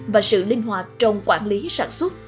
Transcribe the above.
và sự linh hoạt trong quản lý sản xuất